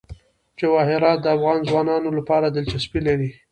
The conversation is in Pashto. جواهرات د افغان ځوانانو لپاره دلچسپي لري.